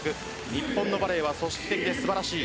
日本のバレーは組織的で素晴らしい。